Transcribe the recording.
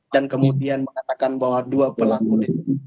dan kemudian mengatakan bahwa dua pelaku itu